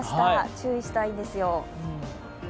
注意したいんですよ。